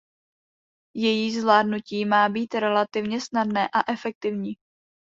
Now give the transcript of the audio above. Její zvládnutí má být relativně snadné a efektivní.